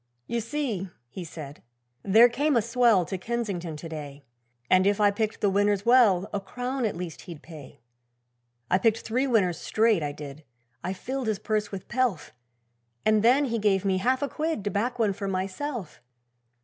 'You see,' he said, 'there came a swell To Kensington to day, And if I picked the winners well, A crown at least he'd pay. 'I picked three winners straight, I did, I filled his purse with pelf, And then he gave me half a quid, To back one for myself.